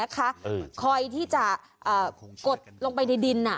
คอยที่จะกดลงไปในดิน